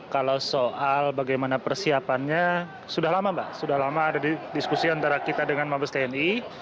kalau soal bagaimana persiapannya sudah lama mbak sudah lama ada diskusi antara kita dengan mabes tni